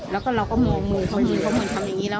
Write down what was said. แล้วก็เราก็มูกมูกมูกมูกมูกทำอย่างนี้แล้ว